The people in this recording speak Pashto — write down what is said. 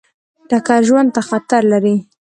ټکر ژوند ته خطر لري.